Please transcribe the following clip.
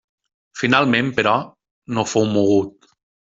Finalment, però, no fou mogut.